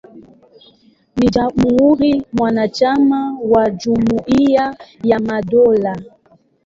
Ni jamhuri mwanachama wa Jumuiya ya Madola.